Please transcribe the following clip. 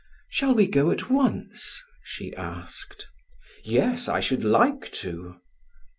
"Shall we go at once?" she asked. "Yes, I should like to."